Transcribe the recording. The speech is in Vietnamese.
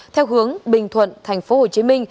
theo hướng bình thuận tp hcm